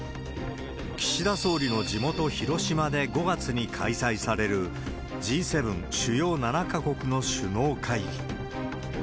岸田総理の地元、広島で５月に開催されるＧ７・主要７か国の首脳会議。